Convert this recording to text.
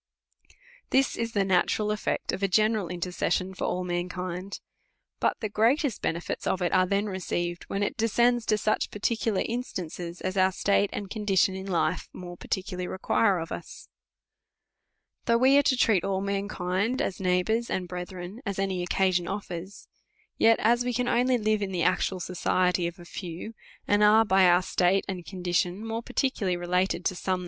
This is the natural eft'ect of a general intercession for all mankind. But the greatest benefits of it are then received, when it de scends to such particular instances as our state and condition in life more particularly require of us. Though we arc to treat all mankind as neighbours and brethren, as any occasion offers ; yet as we can only live in the actunl society of a few, and are by our state and condition more particularly related to some DEVOUT AND HOLY LIFE.